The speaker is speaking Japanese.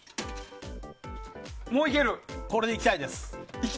これで行きたいです！